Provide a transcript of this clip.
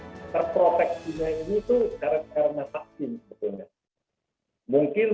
dihimbau untuk ikut vaksin